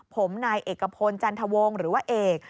ผมนายเอกพลจันทวงศ์หรือว่าเอก